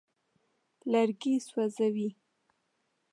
لرګي سوځوي.